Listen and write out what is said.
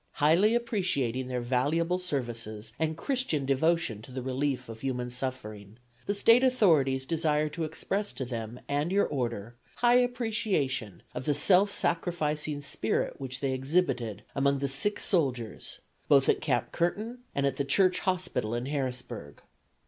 "Highly appreciating their valuable services and Christian devotion to the relief of human suffering, the State authorities desire to express to them and your order high appreciation of the self sacrificing spirit which they exhibited among the sick soldiers, both at Camp Curtin and the Church Hospital in Harrisburg.